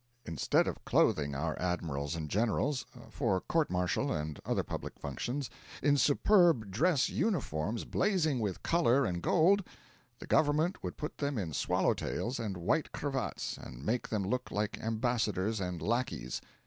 Instead of clothing our admirals and generals, for courts martial and other public functions, in superb dress uniforms blazing with colour and gold, the Government would put them in swallow tails and white cravats, and make them look like ambassadors and lackeys.